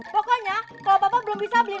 pokoknya kalau bapak belum bisa beli